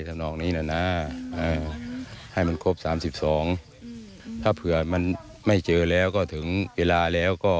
สนองนี้หน่ะนะให้มันครบสามสิบสองถ้าเผื่อมันไม่เจอแล้วก็ถึงเวลาแล้วก็